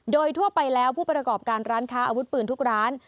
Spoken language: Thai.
โดยทั่วไปแล้วผู้ประกอบการร้านค้าอาวุธปืนทุกร้าน